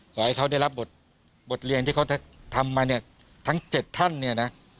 ขอให้เขาได้รับบทเรียนที่เขาทำมาเนี่ยทั้ง๗ท่านเนี่ยนะ